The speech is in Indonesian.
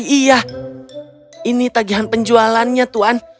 iya ini tagihan penjualannya tuhan